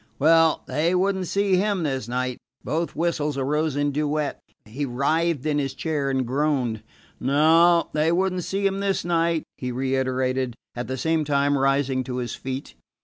Well, they would n't see him this night. Both whistles arose in duet. He writhed in his chair and groaned. No, they would n't see him this night, he reiterated, at the same time rising to his feet.